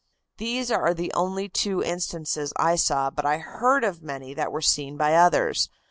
"These are the only two instances I saw, but I heard of many that were seen by others.